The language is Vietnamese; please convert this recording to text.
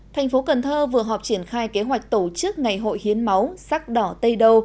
thành phố cần thơ vừa họp triển khai kế hoạch tổ chức ngày hội hiến máu sắc đỏ tây đô